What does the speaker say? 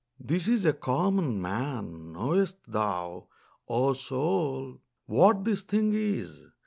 'This is a common man: knowest thou, O soul, What this thing is?